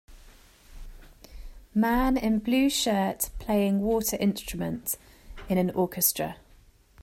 Man in blue shirt playing water instrument in an orchestra.